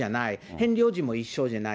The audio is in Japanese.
ヘンリー王子も一緒じゃない。